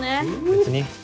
別に。